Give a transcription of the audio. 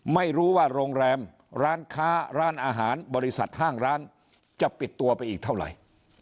ไม่รู้ว่าโรงแรมร้านค้าร้านอาหารบริษัทห้างร้านจะปิดตัวไปอีกเท่าไหร่